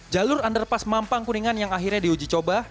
jalur underpas mampang kuningan yang akhirnya diuji coba